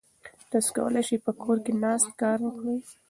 تاسو کولای شئ په کور کې ناست کار وکړئ.